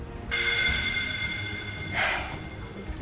gak usah makasih ya